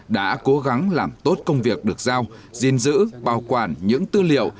đã cố gắng làm tốt công việc được giao gìn giữ bảo quản những tư liệu